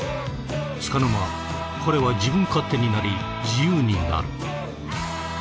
つかの間彼は自分勝手になり自由になる。